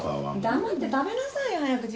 黙って食べなさいよ早く。